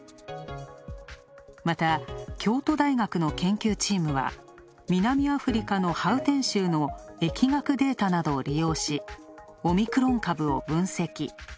また、京都大学の研究チームは、南アフリカのハウテン州の疫学データなどを利用し、オミクロン株を分析。